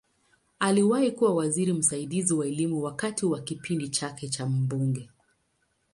Aliwahi kuwa waziri msaidizi wa Elimu wakati wa kipindi chake kama mbunge.